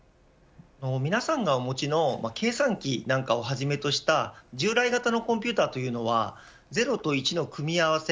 皆さんがお持ちの計算機なんかをはじめとした従来型のコンピューターというのは０と１の組み合わせ